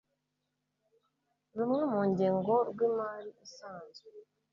rumwe mu ngengo rw imari isanzwe